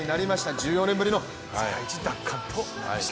１４年ぶりの世界一奪還となりました。